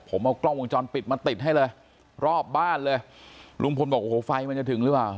ผมเอากล้องวงจรปิดมาติดให้เลยรอบบ้านเลยลุงพลบอกโอ้โหไฟมันจะถึงหรือเปล่า